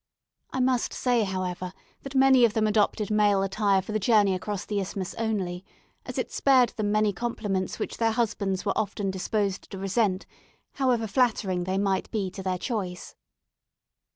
I must say, however, that many of them adopted male attire for the journey across the Isthmus only, as it spared them many compliments which their husbands were often disposed to resent, however flattering they might be to their choice.